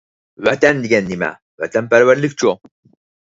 ۋەتەن دېگەن نېمە؟ ۋەتەنپەرۋەرلىكچۇ؟